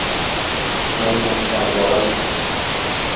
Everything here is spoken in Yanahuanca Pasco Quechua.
¿mayqantaq wawayki?